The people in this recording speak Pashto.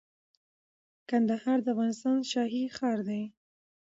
کندهار د افغانستان شاهي ښار دي